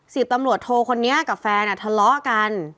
สิบตำรวจโทคนนี้กับแฟนอ่ะทะเลาะกัน